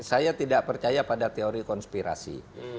saya tidak percaya pada teori konspirasi